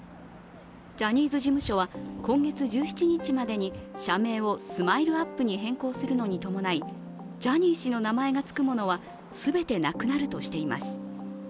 ジャニーズ事務所は今月１７日までに社名をＳＭＩＬＥ−ＵＰ．に変更するのに伴い、ジャニー氏の名前がつくものは全てなくなるとしています。